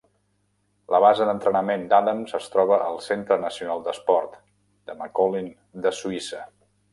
La base d'entrenament d'Adams es troba al "Centre national de sport" de Macolin de Suïssa.